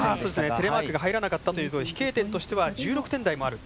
テレマークが入らなかったということは飛型点としては１６点台もある。